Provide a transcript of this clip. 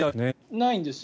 ないんですよ。